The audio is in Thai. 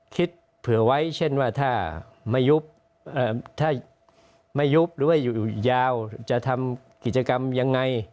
คิดเผื่อไว้เช่นว่าถ้าไม่ยุบหรือยาวจะทำกิจกรรมยังไง